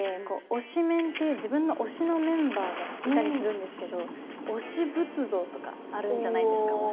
自分の推しのメンバーがいたりするんですけど推し仏像とかあるんじゃないですか？